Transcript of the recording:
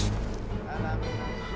saya akan mencari